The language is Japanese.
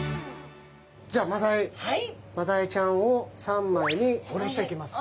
じゃあマダイちゃんを三枚におろしていきます。